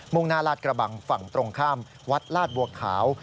่งหน้าลาดกระบังฝั่งตรงข้ามวัดลาดบัวขาว